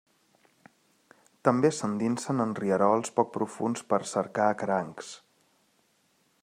També s'endinsen en rierols poc profunds per cercar crancs.